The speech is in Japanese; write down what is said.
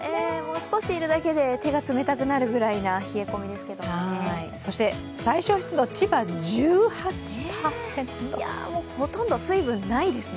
少しいるだけで手が冷たくなるぐらいの冷え込みですけど最小湿度、千葉１８％。ほとんど水分ないですね。